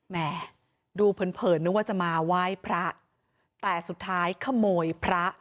แม่ดูเผินเผินนึกว่าจะมาไหว้พระแต่สุดท้ายขโมยพระ